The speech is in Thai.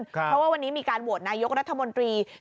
เพราะว่าวันนี้มีการโหวตนายกรัฐมนตรี